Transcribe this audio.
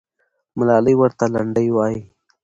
ملالۍ ورته لنډۍ وایي.